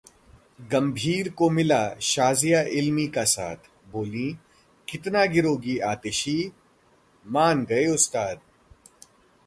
गंभीर को मिला शाजिया इल्मी का साथ, बोलीं- कितना गिरोगी आतिशी? मान गए उस्ताद